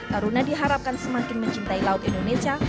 taruna diharapkan semakin mencintai laut indonesia